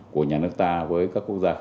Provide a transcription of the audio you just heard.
của nhà nước